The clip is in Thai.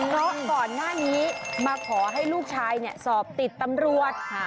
เพราะก่อนหน้านี้มาขอให้ลูกชายสอบติดตำรวจ